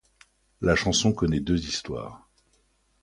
La chanson connaît deux histoires.